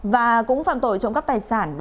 và cũng phạm tội trộm cắp tài sản